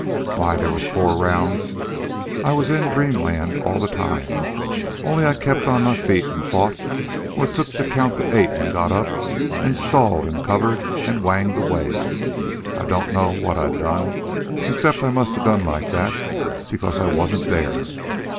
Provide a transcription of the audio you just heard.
"Why, they was four rounds I was in dreamland all the time... only I kept on my feet an' fought, or took the count to eight an' got up, an' stalled an' covered an' whanged away. I don't know what I done, except I must a done like that, because I wasn't there.